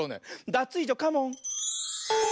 ダツイージョカモン！